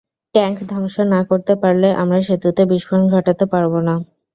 Tank ধ্বংস না করতে পারলে আমরা সেতুতে বিস্ফোরণ ঘটাতে পারব না।